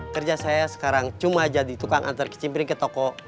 kerja saya sekarang cuma jadi tukang antar kecimpiring ke toko